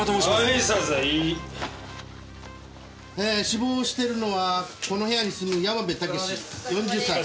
死亡しているのはこの部屋に住む山辺武司４０歳。